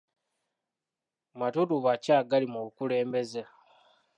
Matuluba ki agali mu bukulembeze?